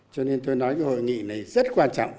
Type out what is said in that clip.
cho nên tôi nói cái hội nghị này rất quan trọng